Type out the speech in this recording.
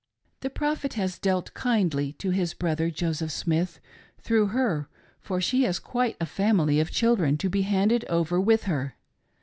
The Prophet has dealt kindly to his brother Joseph Smith, through her, for she has quite a family of children to be handed over with her.